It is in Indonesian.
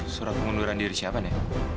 surat pengunduran diri siapa nih